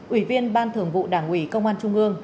ủy viên ban thường vụ đảng ủy công an trung ương